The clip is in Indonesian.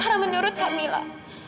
karena menurut kamila